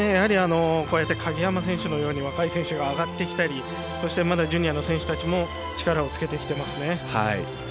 こうやって鍵山選手のように若い選手が上がってきたりジュニアの選手たちも力をつけてきてますね。